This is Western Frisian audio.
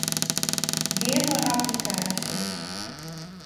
Gean nei applikaasjes.